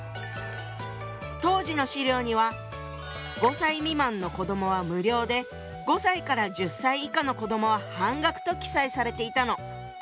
当時の資料には５歳未満の子どもは無料で５歳から１０歳以下の子どもは半額と記載されていたの。